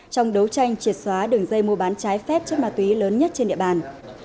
trong đấu tranh triệt xóa đường dây mua bán trái phép chất ma túy lớn nhất trên địa bàn